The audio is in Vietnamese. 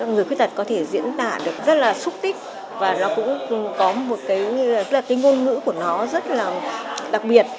người khuyết tật có thể diễn tả được rất là xúc tích và nó cũng có một cái ngôn ngữ của nó rất là đặc biệt